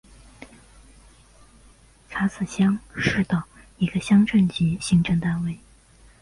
查孜乡是的一个乡镇级行政单位。